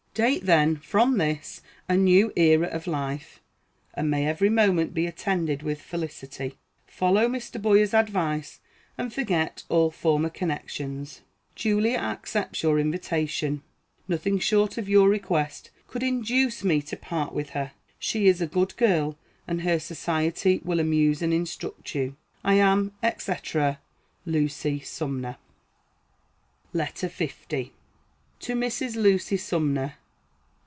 Date then, from this, a new era of life; and may every moment be attended with felicity. Follow Mr. Boyer's advice and forget all former connections. Julia accepts your invitation. Nothing short of your request could induce me to part with her. She is a good girl, and her society will amuse and instruct you. I am, &c., LUCY SUMNER. LETTER L. TO MRS. LUCY SUMNER.